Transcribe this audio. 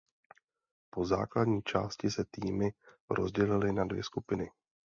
Po základní části se týmy rozdělily na dvě skupiny.